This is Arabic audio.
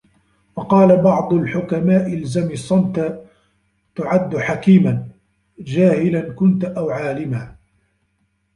وَقَالَ بَعْضُ الْحُكَمَاءِ الْزَمْ الصَّمْتَ تُعَدُّ حَكِيمًا ، جَاهِلًا كُنْتَ أَوْ عَالِمًا